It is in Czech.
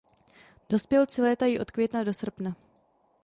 Dospělci létají od května do srpna.